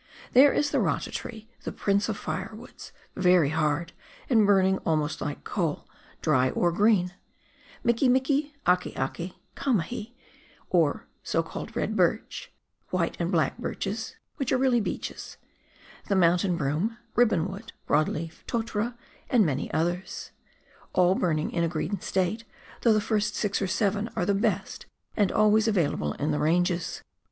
There is the rata tree, the prince of firewoods, very hard, and burning almost like coal, dry or green, miki miki, ake ake, kamahi, or so called red birch, white and black birches (which are really beeches), the mountain broom, ribbon wood, broad leaf, totara, and many others, all burning in a green state, though the first six or seven are the best, and always available in the Ranges.